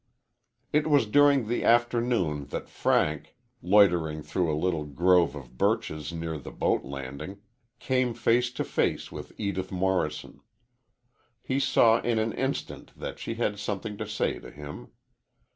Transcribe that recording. It was during the afternoon that Frank, loitering through a little grove of birches near the boat landing, came face to face with Edith Morrison. He saw in an instant that she had something to say to him.